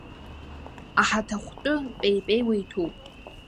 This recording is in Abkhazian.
Аҳаҭахәтәы пеи-пеиуа иҭәуп…